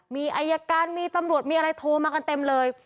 มีอายการมีตำรวจมีอะไรโทรมากันเต็มเลย